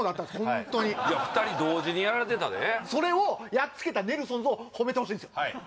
ホントに２人同時にやられてたでそれをやっつけたネルソンズを褒めてほしいんですよ